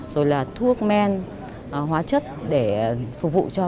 rồi là thuốc men hóa chất để phục vụ cho